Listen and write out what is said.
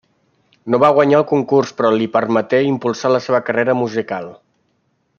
No va guanyar el concurs però li permeté impulsar la seva carrera musical.